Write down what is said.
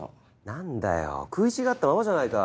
何だよ食い違ったままじゃないか。